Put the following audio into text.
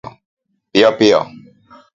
piyo piyo